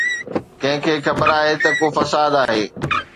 ڪنهن کي خبر آهي ته ڪو فساد آهي؟